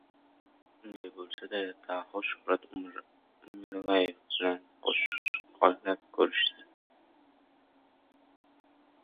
Shunday bo‘lsa-da, Daho Shuhrat Umiraliyev bilan qo‘shqo‘llab ko‘rishdi.